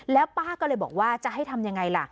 แล้วป้าก็เลยบอกว่าจะให้ทำยังไงล่ะ